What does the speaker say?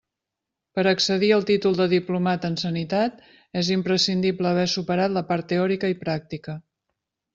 Per a accedir al títol de diplomat en Sanitat és imprescindible haver superat la part teòrica i pràctica.